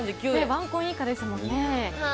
ワンコイン以下ですもんね。